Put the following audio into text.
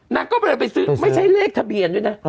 นางก็เลยไปซื้อไม่ใช่เลขทะเบียนด้วยนะ